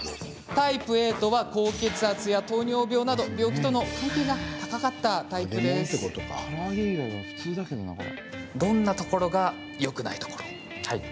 タイプＡとは高血圧や糖尿病など病気との関係が高かったタイプですから揚げ以外は普通だけどなこれ。